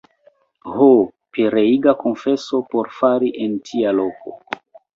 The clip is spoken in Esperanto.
Ho, pereiga konfeso por fari en tia loko!